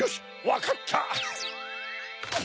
わかった！